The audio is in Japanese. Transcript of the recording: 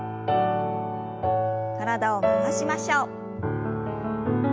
体を回しましょう。